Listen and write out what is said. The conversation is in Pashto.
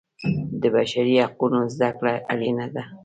د بشري حقونو زده کړه اړینه ده.